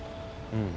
うん。